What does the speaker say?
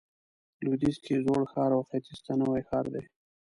لویدیځ کې زوړ ښار او ختیځ ته نوی ښار دی.